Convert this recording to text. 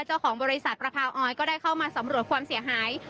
เจ้าของบริษัทประพาวออยก็ได้เข้ามาสำรวจความเสียหาย